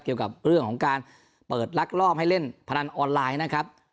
เกี่ยวกับเรื่องของการเปิดลักลอบให้เล่นพนันออนไลน์นะครับ